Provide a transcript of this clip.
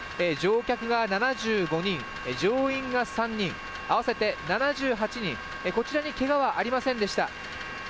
乗客が７５人、乗員が３人、合わせて７８人、こちらにけがはありませんでした。